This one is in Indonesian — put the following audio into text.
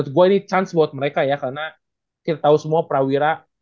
tapi di game terakhir